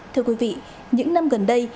thưa quý vị những năm gần đây